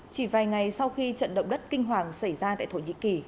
chỉ vài ngày sau khi trận động đất kinh hoàng xảy ra tại thổ nhĩ kỳ